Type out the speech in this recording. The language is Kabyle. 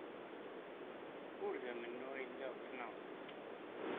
Ur d amennuɣ ay lliɣ ttnaɣeɣ-k.